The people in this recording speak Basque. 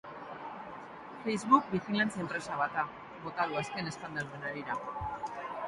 Facebook bijilantzia enpresa bat da, bota du azken eskandaluen harira.